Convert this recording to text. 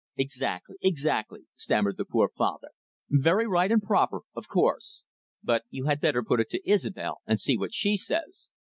"Exactly, exactly," stammered the poor father. "Very right and proper, of course. But you had better put it to Isobel, and see what she says.